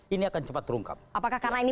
ini akan cepat terungkap apakah karena ini